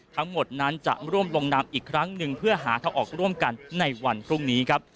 ทั้งหมดนั้นจะร่วมลงนามอีกครั้งหนึ่งเพื่อหาทางออกร่วมกันในวันพรุ่งนี้ครับ